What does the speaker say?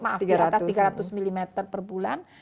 maaf di atas tiga ratus mm per bulan